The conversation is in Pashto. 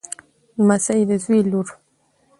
لمسۍ د زوی لور.